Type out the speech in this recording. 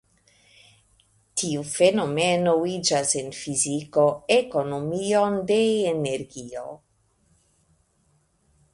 Tiu fenomeno iĝas en fiziko ekonomion de energio.